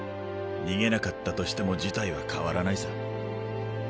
逃げなかったとしても事態は変わらないさ。